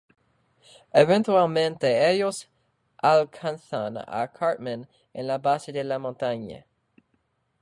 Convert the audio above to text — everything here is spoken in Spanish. Eventualmente, ellos alcanzan a Cartman en la base de la montaña.